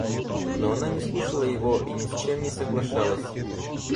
Но она не слушала его и ни с чем не соглашалась.